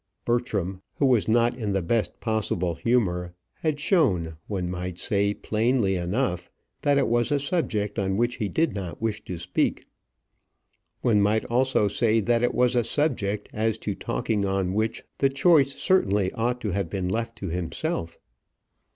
Bertram, who was not in the best possible humour, had shown, one might say plainly enough, that it was a subject on which he did not wish to speak. One might also say that it was a subject as to talking on which the choice certainly ought to have been left to himself.